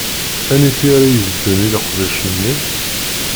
Aniti ara ibedden i leqdic-nni?